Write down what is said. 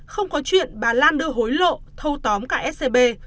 không có chuyện bà lan đưa hối lộ thâu tóm cả scb